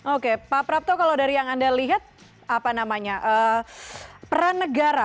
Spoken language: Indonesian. oke pak prapto kalau dari yang anda lihat apa namanya peran negara